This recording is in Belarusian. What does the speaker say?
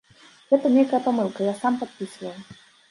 Гэта нейкая памылка, я сам падпісваў.